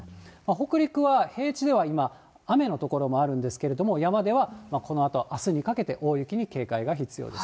北陸は平地では今、雨の所もあるんですけれども、山ではこのあと、あすにかけて、大雪に警戒が必要です。